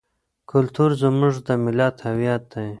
کلتور زموږ د ملت هویت دی.